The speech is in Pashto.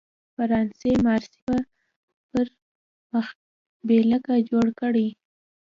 فرانسې مارسي پر مخبېلګه جوړ کړی.